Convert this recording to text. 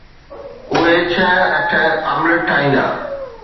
اهي ڇهه اٺ آمليٽ ٺاهيندا